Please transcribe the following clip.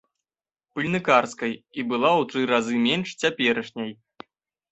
Пыльныкарскай і была ў тры разы менш цяперашняй.